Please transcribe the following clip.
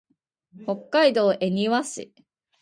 北海道恵庭市